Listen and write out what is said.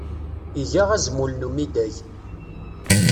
Iga azmul n umidag.